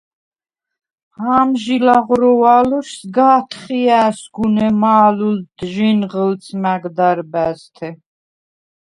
ამჟი ლაღროუ̂ა̄̈ლოშ სგ’ა̄თხჲა̄̈სგუ̂ნე მა̄ლჷლდდ ჟინღჷლდს მა̈გ დარბა̈ზთე.